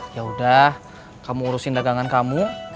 yaudah kamu urusin dagangan kamu